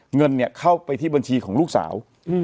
เงินเข้าไปที่บัญชีของลูกสาว